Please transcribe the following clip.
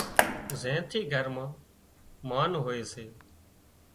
زين ٿي گھر مان مانَ هوئي سي